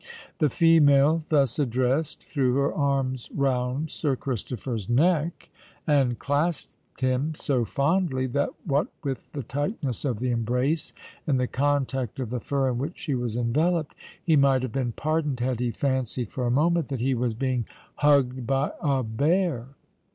The female thus addressed threw her arms round Sir Christopher's neck, and clasped him so fondly that, what with the tightness of the embrace and the contact of the fur in which she was enveloped, he might have been pardoned had he fancied for a moment that he was being hugged by a bear.